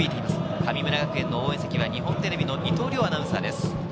神村学園の応援席は日本テレビの伊藤遼アナウンサーです。